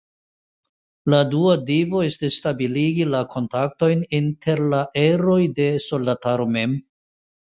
La dua devo esta stabiligi la kontaktojn inter la eroj de soldataro mem.